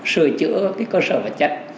sửa chữa cái cơ sở vật chất